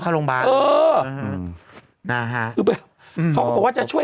เข้าโรงพยาบาลเอออืมนะฮะคือแบบอืมเขาก็บอกว่าจะช่วย